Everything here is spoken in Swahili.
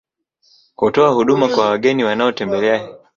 Hutoa huduma kwa wageni wanaotembelea hifadhi ya Ziwa Manyara